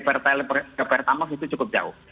pertel ke pertamaf itu cukup jauh